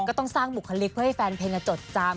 ก็ต้องสร้างบุคลิกเพื่อให้แฟนเพลงจดจำ